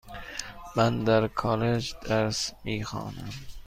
من در کالج درس میخوانم.